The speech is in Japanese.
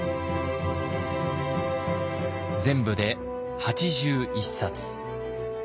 全部で８１冊。